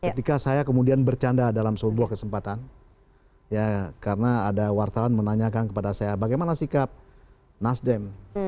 ketika saya kemudian bercanda dalam sebuah kesempatan ya karena ada wartawan menanyakan kepada saya bagaimana sikap nasdem